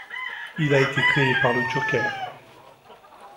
Il a été créé par le Joker.